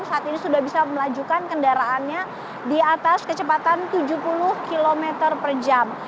saat ini sudah bisa melajukan kendaraannya di atas kecepatan tujuh puluh km per jam